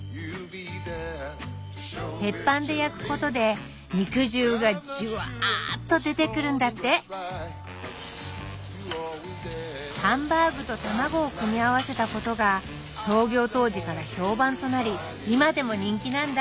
鉄板で焼くことで肉汁がじゅわっと出てくるんだってハンバーグと卵を組み合わせたことが創業当時から評判となり今でも人気なんだ